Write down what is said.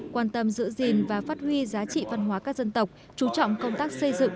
quan tâm giữ gìn và phát huy giá trị văn hóa các dân tộc chú trọng công tác xây dựng